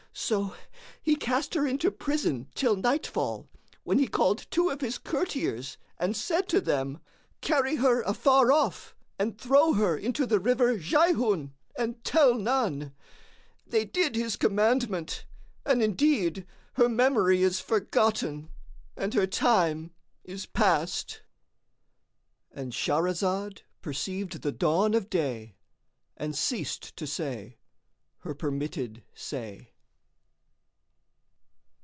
So he cast her into prison till nightfall, when he called two of his courtiers and said to them,:—Carry her afar off and throw her into the river Jayhun and tell none. They did his commandment, and indeed her memory is forgotten and her time is past."——And Shahrazad perceived the dawn of day and ceased to say her permitted say.